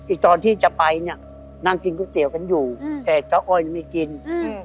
ตอนที่จะไปเนี้ยนั่งกินก๋วยเตี๋ยวกันอยู่แต่เก้าอ้อยยังไม่กินอืม